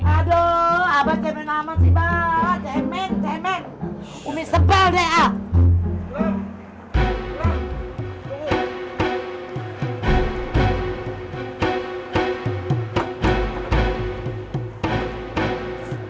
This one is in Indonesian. aduh abad cemen amat sih banget cemen cemen umi sebal deh ah